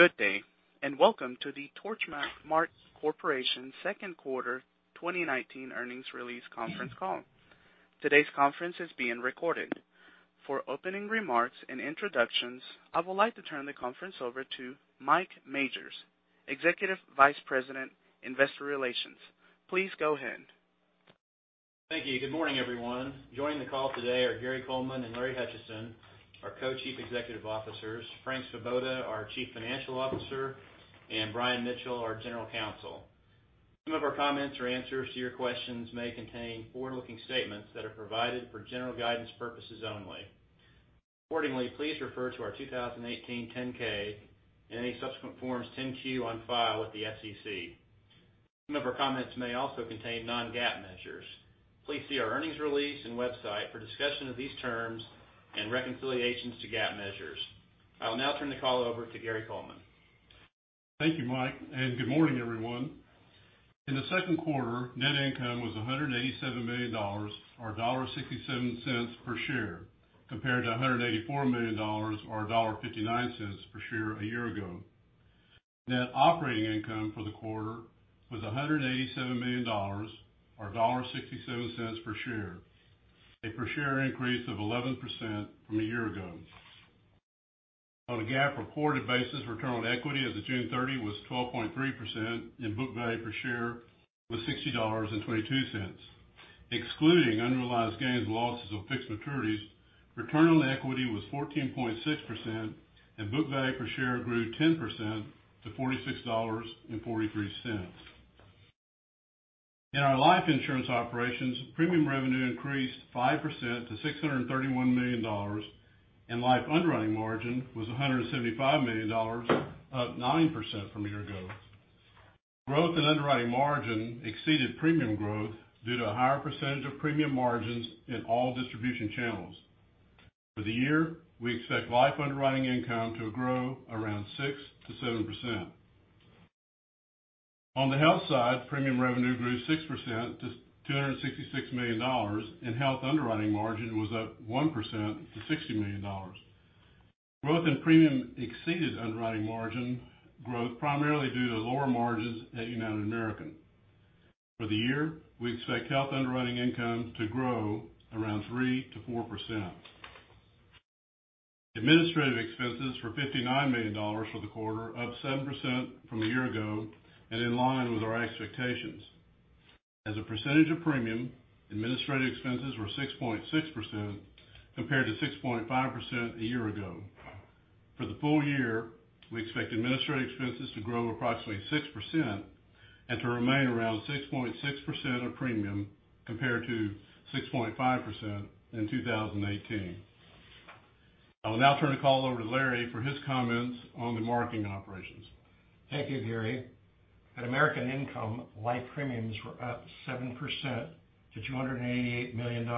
Good day, welcome to the Torchmark Corporation second quarter 2019 earnings release conference call. Today's conference is being recorded. For opening remarks and introductions, I would like to turn the conference over to Mike Majors, Executive Vice President, Investor Relations. Please go ahead. Thank you. Good morning, everyone. Joining the call today are Gary Coleman and Larry Hutchison, our Co-Chief Executive Officers, Frank Svoboda, our Chief Financial Officer, and Brian Mitchell, our General Counsel. Some of our comments or answers to your questions may contain forward-looking statements that are provided for general guidance purposes only. Accordingly, please refer to our 2018 10-K and any subsequent Forms 10-Q on file with the SEC. Some of our comments may also contain non-GAAP measures. Please see our earnings release and website for discussion of these terms and reconciliations to GAAP measures. I will now turn the call over to Gary Coleman. Thank you, Mike. Good morning, everyone. In the second quarter, net income was $187 million, or $1.67 per share, compared to $184 million, or $1.59 per share a year ago. Net operating income for the quarter was $187 million, or $1.67 per share, a per share increase of 11% from a year ago. On a GAAP reported basis, return on equity as of June 30 was 12.3%, and book value per share was $60.22. Excluding unrealized gains and losses of fixed maturities, return on equity was 14.6%, and book value per share grew 10% to $46.43. In our life insurance operations, premium revenue increased 5% to $631 million, and life underwriting margin was $175 million, up 9% from a year ago. Growth in underwriting margin exceeded premium growth due to a higher percentage of premium margins in all distribution channels. For the year, we expect life underwriting income to grow around 6%-7%. On the health side, premium revenue grew 6% to $266 million, and health underwriting margin was up 1% to $60 million. Growth in premium exceeded underwriting margin growth primarily due to lower margins at United American. For the year, we expect health underwriting income to grow around 3%-4%. Administrative expenses were $59 million for the quarter, up 7% from a year ago, and in line with our expectations. As a percentage of premium, administrative expenses were 6.6% compared to 6.5% a year ago. For the full year, we expect administrative expenses to grow approximately 6% and to remain around 6.6% of premium, compared to 6.5% in 2018. I will now turn the call over to Larry for his comments on the marketing operations. Thank you, Gary. At American Income, life premiums were up 7% to $288 million,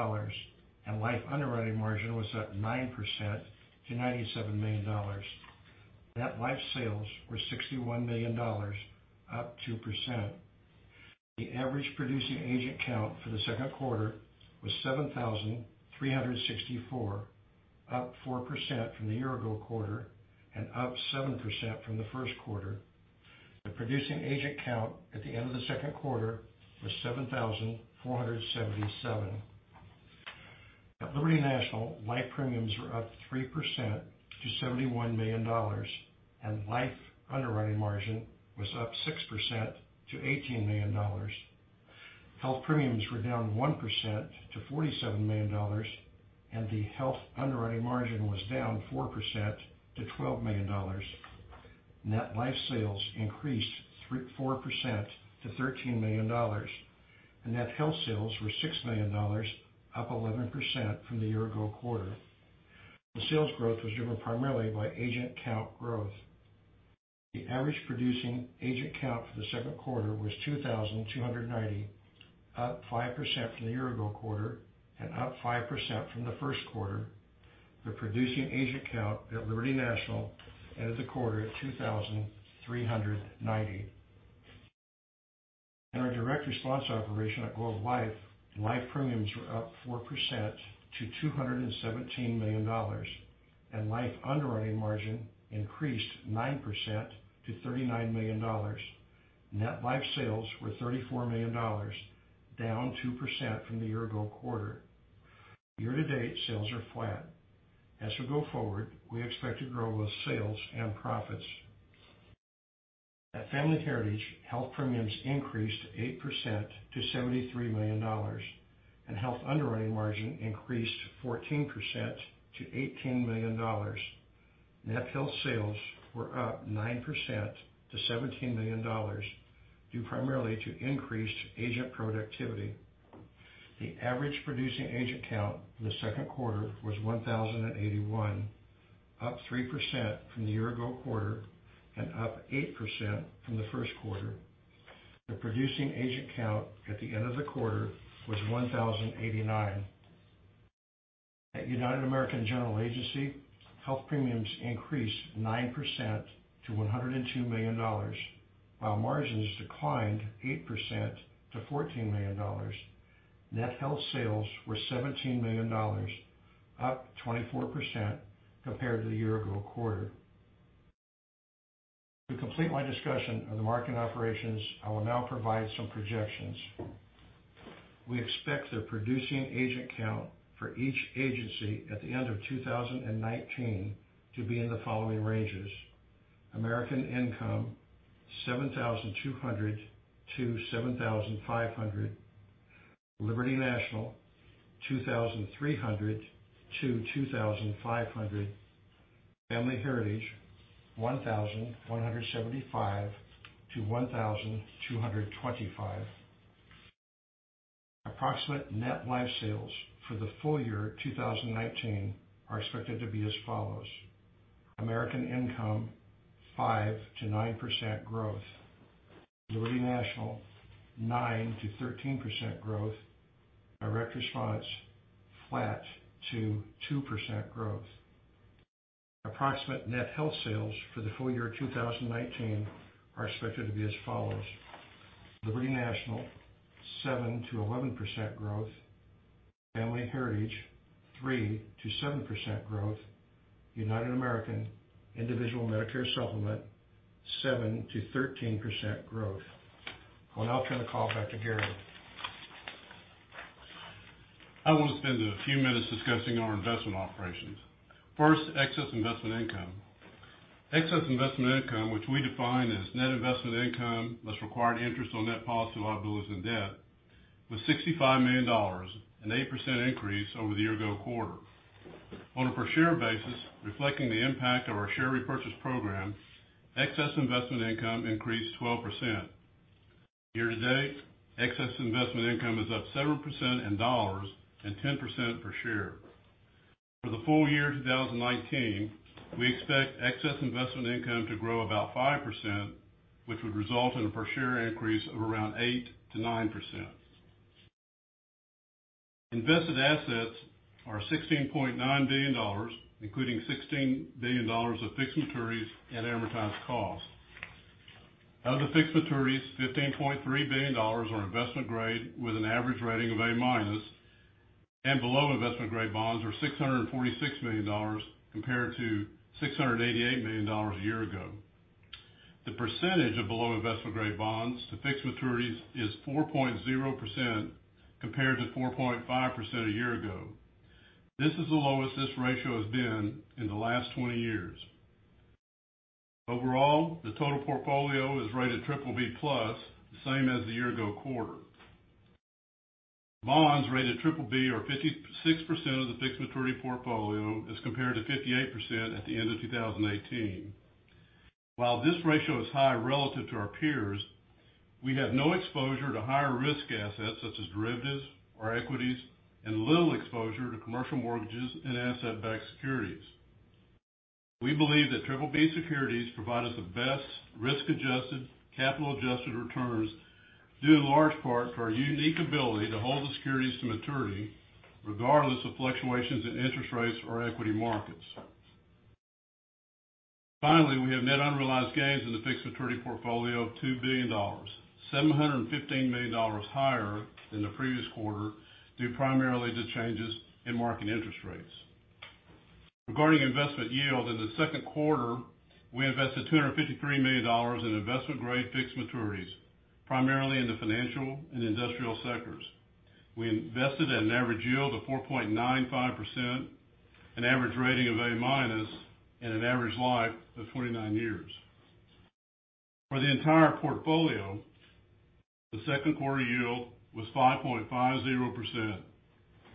and life underwriting margin was up 9% to $97 million. Net life sales were $61 million, up 2%. The average producing agent count for the second quarter was 7,364, up 4% from the year-ago quarter and up 7% from the first quarter. The producing agent count at the end of the second quarter was 7,477. At Liberty National, life premiums were up 3% to $71 million, and life underwriting margin was up 6% to $18 million. Health premiums were down 1% to $47 million, and the health underwriting margin was down 4% to $12 million. Net life sales increased 4% to $13 million. The net health sales were $6 million, up 11% from the year-ago quarter. The sales growth was driven primarily by agent count growth. The average producing agent count for the second quarter was 2,290, up 5% from the year-ago quarter and up 5% from the first quarter. The producing agent count at Liberty National ended the quarter at 2,390. In our Direct Response operation at Globe Life, life premiums were up 4% to $217 million, and life underwriting margin increased 9% to $39 million. Net life sales were $34 million, down 2% from the year-ago quarter. Year to date, sales are flat. We expect to grow both sales and profits. At Family Heritage, health premiums increased 8% to $73 million, and health underwriting margin increased 14% to $18 million. Net health sales were up 9% to $17 million, due primarily to increased agent productivity. The average producing agent count in the second quarter was 1,081, up 3% from the year-ago quarter and up 8% from the first quarter. The producing agent count at the end of the quarter was 1,089. At United American General Agency, health premiums increased 9% to $102 million, while margins declined 8% to $14 million. Net health sales were $17 million, up 24% compared to the year-ago quarter. To complete my discussion of the market and operations, I will now provide some projections. We expect the producing agent count for each agency at the end of 2019 to be in the following ranges: American Income, 7,200-7,500; Liberty National, 2,300-2,500; Family Heritage, 1,175-1,225. Approximate net life sales for the full year 2019 are expected to be as follows: American Income, 5%-9% growth; Liberty National, 9%-13% growth; Direct Response, flat to 2% growth. Approximate net health sales for the full year 2019 are expected to be as follows: Liberty National, 7%-11% growth; Family Heritage, 3%-7% growth; United American Individual Medicare Supplement, 7%-13% growth. I'll now turn the call back to Gary. I want to spend a few minutes discussing our investment operations. First, excess investment income. Excess investment income, which we define as net investment income, less required interest on net policyholders' liabilities and debt, was $65 million, an 8% increase over the year-ago quarter. On a per-share basis, reflecting the impact of our share repurchase program, excess investment income increased 12%. Year-to-date, excess investment income is up 7% in dollars and 10% per share. For the full year 2019, we expect excess investment income to grow about 5%, which would result in a per-share increase of around 8%-9%. Invested assets are $16.9 billion, including $16 billion of fixed maturities at amortized cost. Of the fixed maturities, $15.3 billion are investment-grade with an average rating of A-minus, and below investment-grade bonds are $646 million compared to $688 million a year ago. The percentage of below investment-grade bonds to fixed maturities is 4.0% compared to 4.5% a year ago. This is the lowest this ratio has been in the last 20 years. Overall, the total portfolio is rated BBB+, the same as the year-ago quarter. Bonds rated BBB are 56% of the fixed maturity portfolio as compared to 58% at the end of 2018. While this ratio is high relative to our peers, we have no exposure to higher-risk assets such as derivatives or equities and little exposure to commercial mortgages and asset-backed securities. We believe that BBB securities provide us the best risk-adjusted, capital-adjusted returns due in large part to our unique ability to hold the securities to maturity regardless of fluctuations in interest rates or equity markets. Finally, we have net unrealized gains in the fixed maturity portfolio of $2 billion, $715 million higher than the previous quarter, due primarily to changes in market interest rates. Regarding investment yield, in the second quarter, we invested $253 million in investment-grade fixed maturities, primarily in the financial and industrial sectors. We invested at an average yield of 4.95%, an average rating of A-minus, and an average life of 29 years. For the entire portfolio, the second quarter yield was 5.50%,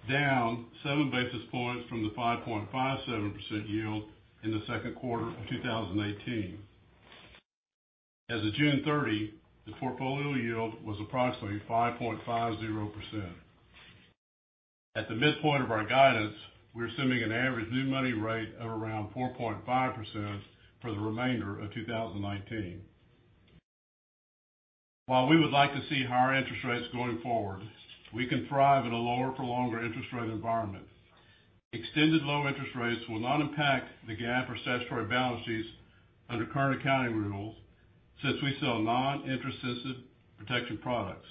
down seven basis points from the 5.57% yield in the second quarter of 2018. As of June 30, the portfolio yield was approximately 5.50%. At the midpoint of our guidance, we're assuming an average new money rate of around 4.5% for the remainder of 2019. While we would like to see higher interest rates going forward, we can thrive in a lower-for-longer interest rate environment. Extended low interest rates will not impact the GAAP or statutory balance sheets under current accounting rules, since we sell non-interest sensitive protection products.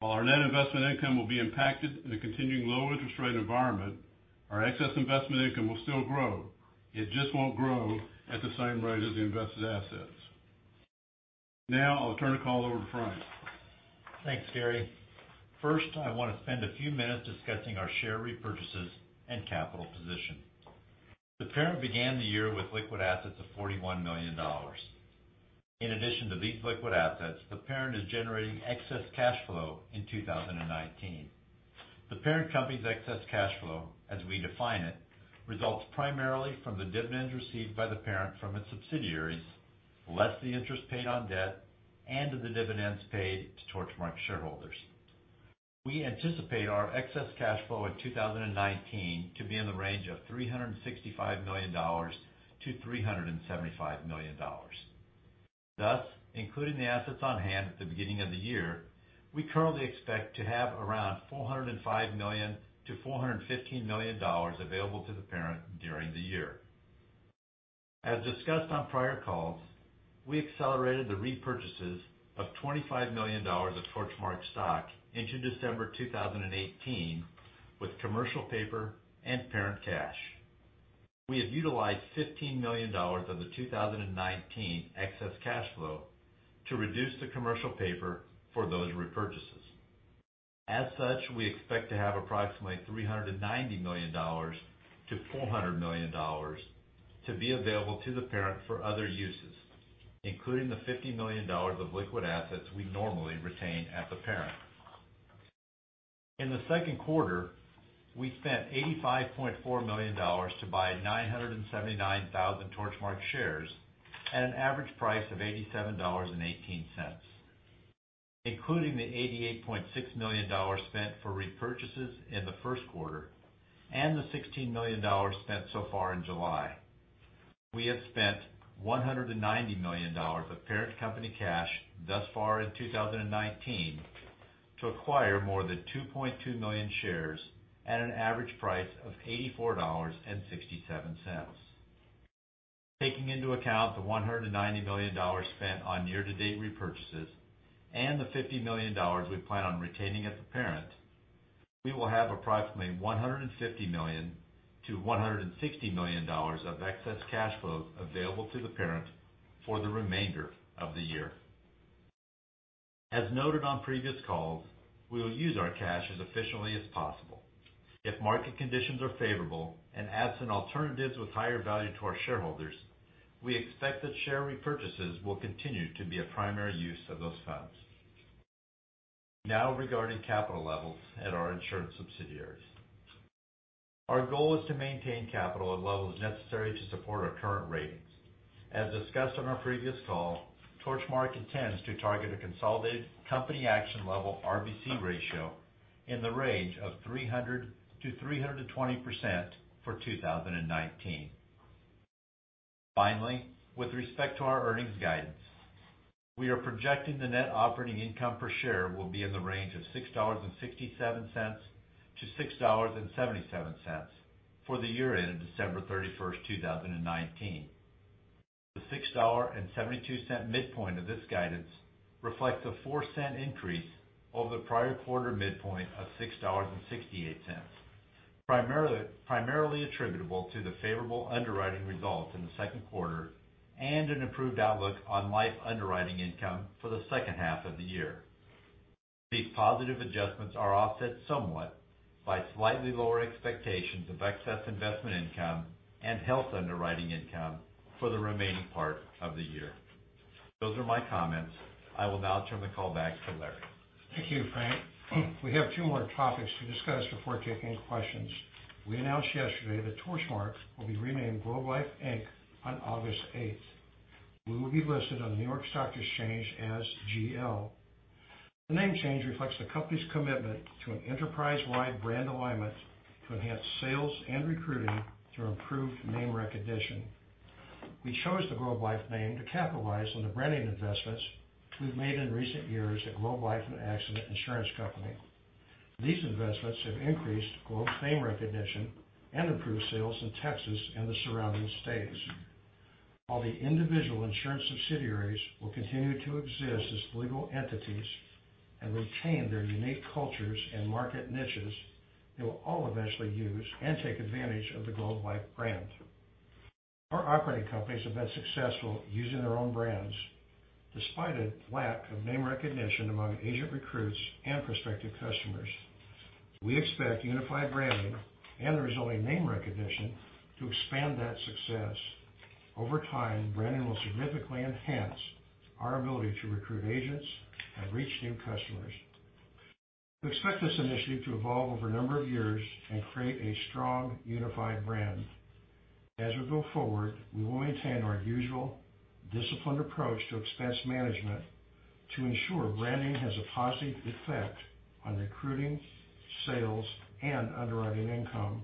While our net investment income will be impacted in a continuing low interest rate environment, our excess investment income will still grow. It just won't grow at the same rate as the invested assets. Now, I'll turn the call over to Frank. Thanks, Gary. First, I want to spend a few minutes discussing our share repurchases and capital position. The parent began the year with liquid assets of $41 million. In addition to these liquid assets, the parent is generating excess cash flow in 2019. The parent company's excess cash flow, as we define it, results primarily from the dividends received by the parent from its subsidiaries, less the interest paid on debt and to the dividends paid to Torchmark shareholders. We anticipate our excess cash flow in 2019 to be in the range of $365 million-$375 million. Thus, including the assets on hand at the beginning of the year, we currently expect to have around $405 million-$415 million available to the parent during the year. As discussed on prior calls, we accelerated the repurchases of $25 million of Torchmark stock into December 2018 with commercial paper and parent cash. We have utilized $15 million of the 2019 excess cash flow to reduce the commercial paper for those repurchases. As such, we expect to have approximately $390 million-$400 million to be available to the parent for other uses, including the $50 million of liquid assets we normally retain at the parent. In the second quarter, we spent $85.4 million to buy 979,000 Torchmark shares at an average price of $87.18. Including the $88.6 million spent for repurchases in the first quarter and the $16 million spent so far in July, we have spent $190 million of parent company cash thus far in 2019 to acquire more than 2.2 million shares at an average price of $84.67. Taking into account the $190 million spent on year-to-date repurchases and the $50 million we plan on retaining at the parent, we will have approximately $150 million-$160 million of excess cash flow available to the parent for the remainder of the year. As noted on previous calls, we will use our cash as efficiently as possible. If market conditions are favorable and absent alternatives with higher value to our shareholders, we expect that share repurchases will continue to be a primary use of those funds. Regarding capital levels at our insurance subsidiaries. Our goal is to maintain capital at levels necessary to support our current ratings. As discussed on our previous call, Torchmark intends to target a consolidated company action level RBC ratio in the range of 300%-320% for 2019. Finally, with respect to our earnings guidance, we are projecting the net operating income per share will be in the range of $6.67-$6.77 for the year ending December 31, 2019. The $6.72 midpoint of this guidance reflects a $0.04 increase over the prior quarter midpoint of $6.68, primarily attributable to the favorable underwriting results in the second quarter and an improved outlook on life underwriting income for the second half of the year. These positive adjustments are offset somewhat by slightly lower expectations of excess investment income and health underwriting income for the remaining part of the year. Those are my comments. I will now turn the call back to Larry. Thank you, Frank. We have two more topics to discuss before taking questions. We announced yesterday that Torchmark will be renamed Globe Life Inc. on August eighth. We will be listed on the New York Stock Exchange as GL. The name change reflects the company's commitment to an enterprise-wide brand alignment to enhance sales and recruiting through improved name recognition. We chose the Globe Life name to capitalize on the branding investments we've made in recent years at Globe Life and Accident Insurance Company. These investments have increased Globe's name recognition and improved sales in Texas and the surrounding states. While the individual insurance subsidiaries will continue to exist as legal entities and retain their unique cultures and market niches, they will all eventually use and take advantage of the Globe Life brand. Our operating companies have been successful using their own brands, despite a lack of name recognition among agent recruits and prospective customers. We expect unified branding and the resulting name recognition to expand that success. Over time, branding will significantly enhance our ability to recruit agents and reach new customers. We expect this initiative to evolve over a number of years and create a strong, unified brand. As we go forward, we will maintain our usual disciplined approach to expense management to ensure branding has a positive effect on recruiting, sales, and underwriting income.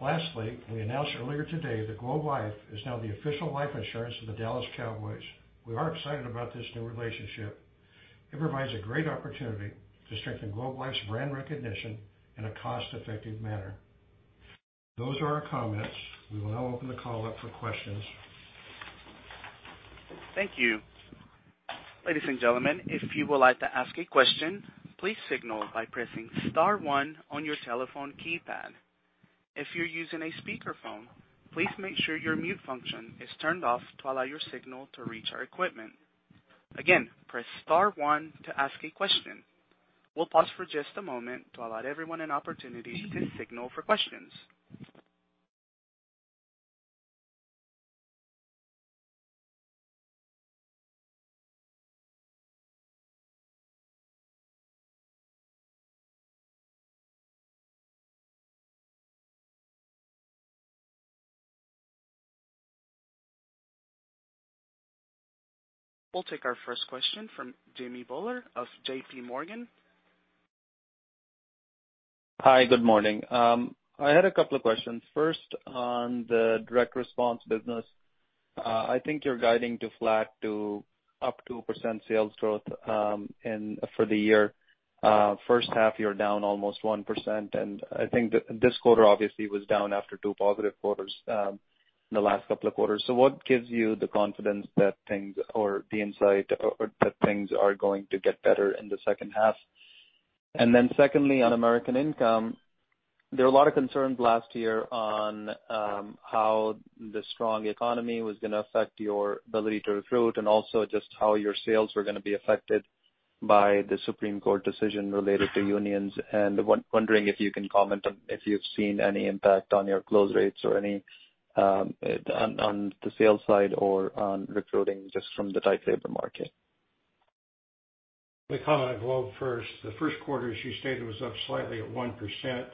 Lastly, we announced earlier today that Globe Life is now the official life insurance of the Dallas Cowboys. We are excited about this new relationship. It provides a great opportunity to strengthen Globe Life's brand recognition in a cost-effective manner. Those are our comments. We will now open the call up for questions. Thank you. Ladies and gentlemen, if you would like to ask a question, please signal by pressing star one on your telephone keypad. If you're using a speakerphone, please make sure your mute function is turned off to allow your signal to reach our equipment. Again, press star one to ask a question. We'll pause for just a moment to allow everyone an opportunity to signal for questions. We'll take our first question from Jimmy Bhullar of JPMorgan. Hi. Good morning. I had a couple of questions. First, on the Direct Response business. I think you're guiding to flat to up 2% sales growth for the year. First half, you're down almost 1%. I think this quarter obviously was down after two positive quarters in the last couple of quarters. What gives you the confidence or the insight that things are going to get better in the second half? Secondly, on American Income, there were a lot of concerns last year on how the strong economy was going to affect your ability to recruit and also just how your sales were going to be affected by the Supreme Court decision related to unions, and wondering if you can comment on if you've seen any impact on your close rates or on the sales side or on recruiting just from the tight labor market. Let me comment on Globe first. The first quarter, as you stated, was up slightly at 1%.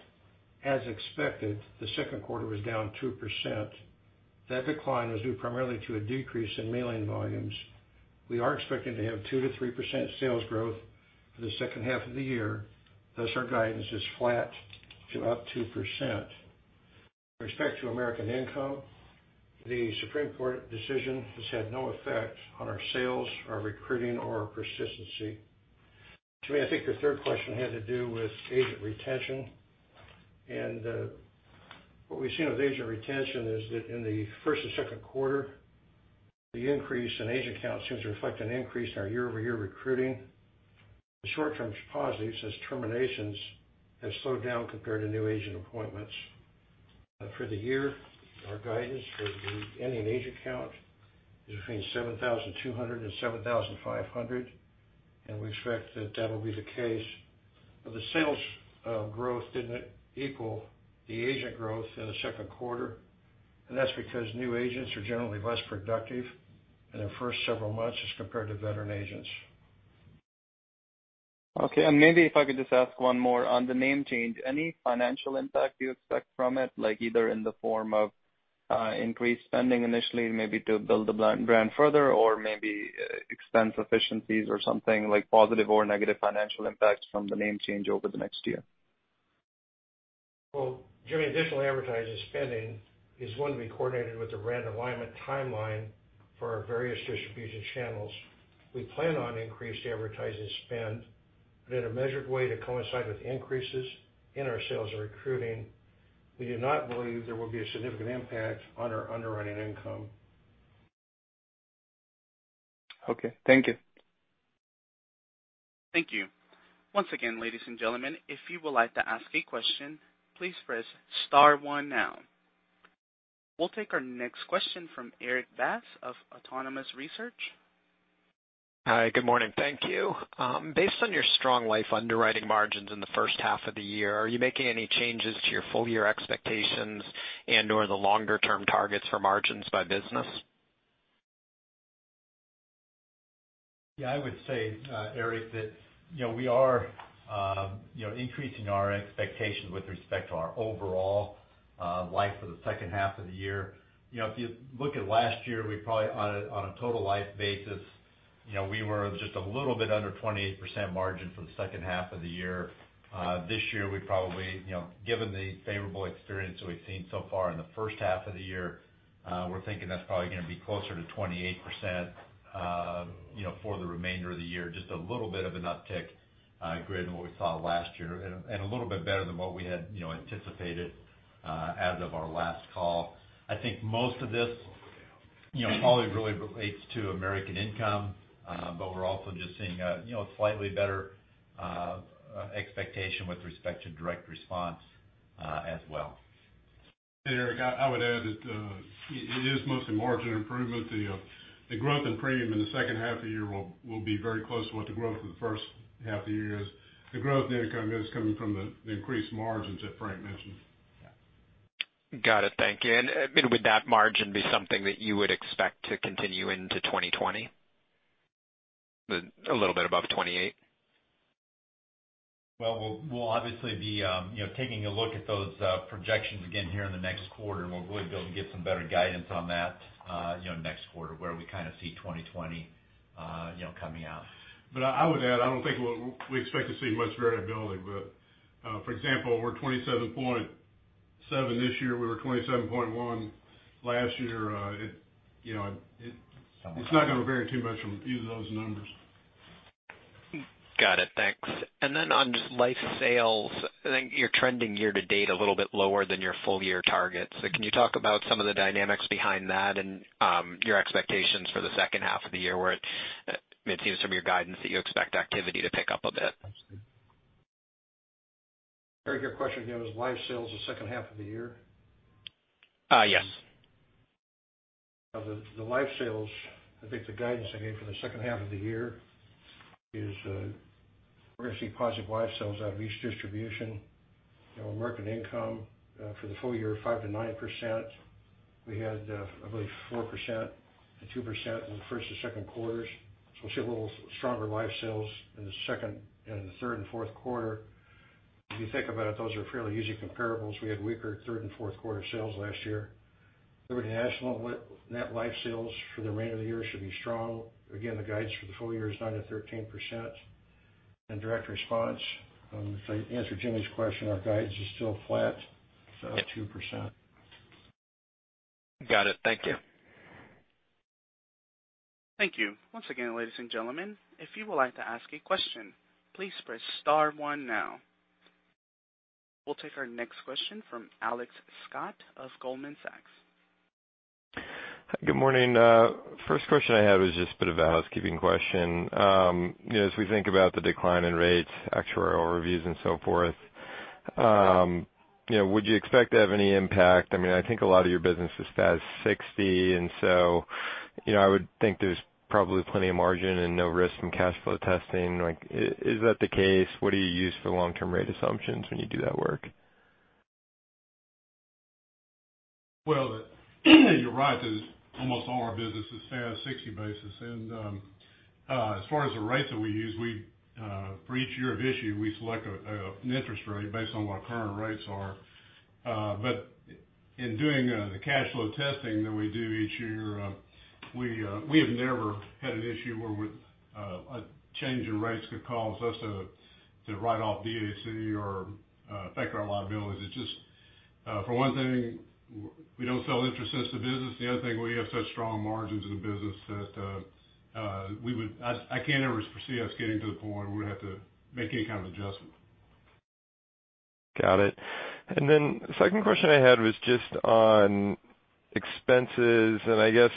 As expected, the second quarter was down 2%. That decline was due primarily to a decrease in mailing volumes. We are expecting to have 2%-3% sales growth for the second half of the year. Our guidance is flat to up 2%. With respect to American Income, the Supreme Court decision has had no effect on our sales, our recruiting or persistency. To me, I think your third question had to do with agent retention. What we've seen with agent retention is that in the first and second quarter, the increase in agent count seems to reflect an increase in our year-over-year recruiting. The short-term is positive, says terminations have slowed down compared to new agent appointments. For the year, our guidance for the ending agent count is between 7,200 and 7,500, and we expect that that will be the case. The sales growth didn't equal the agent growth in the second quarter, and that's because new agents are generally less productive in their first several months as compared to veteran agents. Okay. Maybe if I could just ask one more on the name change. Any financial impact you expect from it, like either in the form of increased spending initially, maybe to build the brand further or maybe expense efficiencies or something like positive or negative financial impacts from the name change over the next year? Well, Jimmy, additional advertising spending is going to be coordinated with the brand alignment timeline for our various distribution channels. We plan on increased advertising spend, but in a measured way to coincide with increases in our sales and recruiting. We do not believe there will be a significant impact on our underwriting income. Okay. Thank you. Thank you. Once again, ladies and gentlemen, if you would like to ask a question, please press star one now. We'll take our next question from Erik Bass of Autonomous Research. Hi. Good morning. Thank you. Based on your strong life underwriting margins in the first half of the year, are you making any changes to your full-year expectations and/or the longer-term targets for margins by business? I would say, Erik, that we are increasing our expectations with respect to our overall life for the second half of the year. If you look at last year, we probably on a total life basis, we were just a little bit under 28% margin for the second half of the year. This year, given the favorable experience that we've seen so far in the first half of the year, we're thinking that's probably going to be closer to 28% for the remainder of the year. Just a little bit of an uptick greater than what we saw last year, and a little bit better than what we had anticipated as of our last call. I think most of this probably really relates to American Income, but we're also just seeing a slightly better expectation with respect to Direct Response as well. Erik, I would add that it is mostly margin improvement. The growth in premium in the second half of the year will be very close to what the growth in the first half of the year is. The growth in income is coming from the increased margins that Frank mentioned. Got it. Thank you. Would that margin be something that you would expect to continue into 2020? A little bit above 28%? Well, we'll obviously be taking a look at those projections again here in the next quarter, and we'll really be able to get some better guidance on that next quarter where we kind of see 2020 coming out. I would add, I don't think we expect to see much variability. For example, we're 27.7 this year, we were 27.1 last year. It's not going to vary too much from either of those numbers. Got it. Thanks. On just life sales, I think you're trending year-to-date a little bit lower than your full-year targets. Can you talk about some of the dynamics behind that and your expectations for the second half of the year where it seems from your guidance that you expect activity to pick up a bit? Erik, your question again, was life sales the second half of the year? Yes. The life sales, I think the guidance I gave for the second half of the year is we're going to see positive life sales out of each distribution. American Income for the full year, 5%-9%. We had, I believe 4% and 2% in the first and second quarters. We'll see a little stronger life sales in the second and in the third and fourth quarter. If you think about it, those are fairly easy comparables. We had weaker third and fourth quarter sales last year. Liberty National net life sales for the remainder of the year should be strong. Again, the guidance for the full year is 9%-13%. Direct Response. To answer Jimmy's question, our guidance is still flat, so 2%. Got it. Thank you. Thank you. Once again, ladies and gentlemen, if you would like to ask a question, please press star one now. We'll take our next question from Alex Scott of Goldman Sachs. Good morning. First question I had was just a bit of a housekeeping question. As we think about the decline in rates, actuarial reviews, and so forth, would you expect to have any impact? I think a lot of your business is Stat 60, and so I would think there's probably plenty of margin and no risk from cash flow testing. Is that the case? What do you use for long-term rate assumptions when you do that work? Well, you're right that almost all our business is Stat 60 basis. As far as the rates that we use, for each year of issue, we select an interest rate based on what our current rates are. In doing the cash flow testing that we do each year, we have never had an issue where a change in rates could cause us to write off DAC or affect our liabilities. It's just, for one thing, we don't sell interest as the business. The other thing, we have such strong margins in the business that I can't ever foresee us getting to the point where we have to make any kind of adjustment. Got it. The second question I had was just on expenses. I guess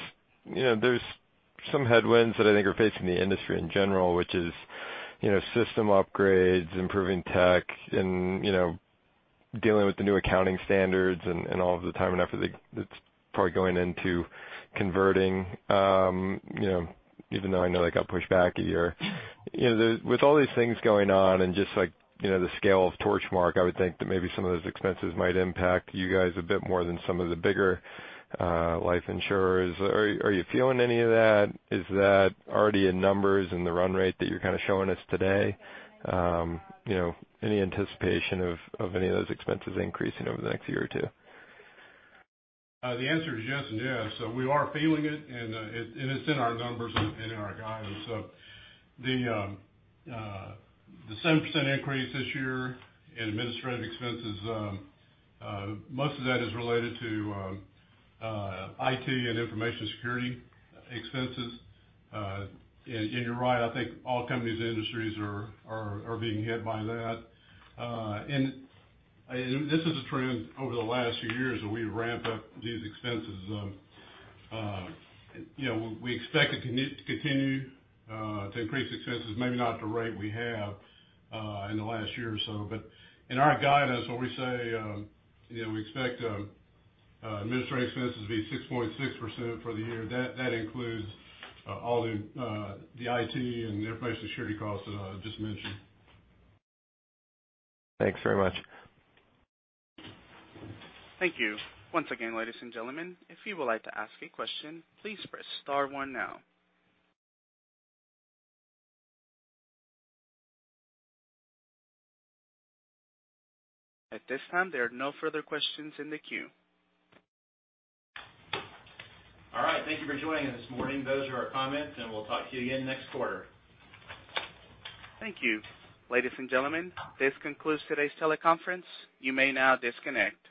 there's some headwinds that I think are facing the industry in general, which is system upgrades, improving tech, and dealing with the new accounting standards and all of the time and effort that's probably going into converting, even though I know that got pushed back a year. With all these things going on and just the scale of Torchmark, I would think that maybe some of those expenses might impact you guys a bit more than some of the bigger life insurers. Are you feeling any of that? Is that already in numbers in the run rate that you're kind of showing us today? Any anticipation of any of those expenses increasing over the next year or two? The answer is yes and yes. We are feeling it, and it's in our numbers and in our guidance. The 7% increase this year in administrative expenses, most of that is related to IT and information security expenses. You're right, I think all companies and industries are being hit by that. This is a trend over the last few years, where we ramp up these expenses. We expect it to continue to increase expenses, maybe not at the rate we have in the last year or so. In our guidance, when we say we expect administrative expenses to be 6.6% for the year, that includes all the IT and information security costs that I just mentioned. Thanks very much. Thank you. Once again, ladies and gentlemen, if you would like to ask a question, please press star one now. At this time, there are no further questions in the queue. All right. Thank you for joining us this morning. Those are our comments, and we'll talk to you again next quarter. Thank you. Ladies and gentlemen, this concludes today's teleconference. You may now disconnect.